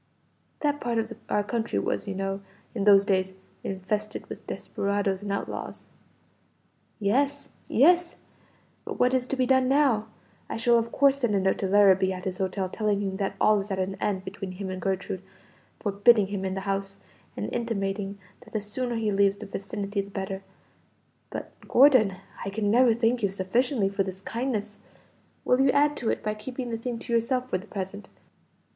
"That part of our country was, you know, in those days, infested with desperadoes and outlaws." "Yes, yes; but what is to be done now? I shall of course send a note to Larrabee, at his hotel, telling him that all is at an end between him and Gertrude, forbidding him the house, and intimating that the sooner he leaves the vicinity the better. But Gordon, I can never thank you sufficiently for this kindness; will you add to it by keeping the thing to yourself for the present?